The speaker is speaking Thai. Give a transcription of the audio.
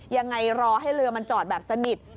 ยังไงรอให้เรือมันจอดแบบสนิท